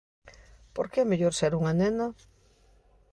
¿Por que é mellor ser unha nena?